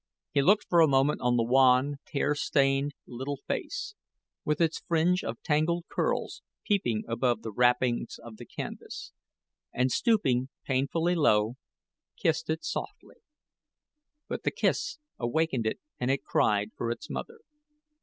He looked for a moment on the wan, tear stained little face, with its fringe of tangled curls peeping above the wrappings of canvas, and stooping painfully down, kissed it softly; but the kiss awakened it and it cried for its mother.